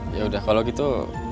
yaudah kalau gitu